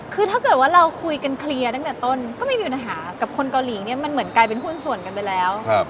คือถ้าเกิดว่าเราคุยกันเคลียร์ตั้งแต่ต้นก็ไม่มีปัญหากับคนเกาหลีเนี่ยมันเหมือนกลายเป็นหุ้นส่วนกันไปแล้ว